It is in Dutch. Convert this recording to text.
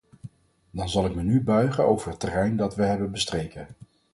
Dan zal ik me nu buigen over het terrein dat we hebben bestreken.